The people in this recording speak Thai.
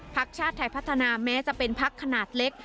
พักชาติไทยพัฒนาแม้จะเป็นพักขนาดเล็ก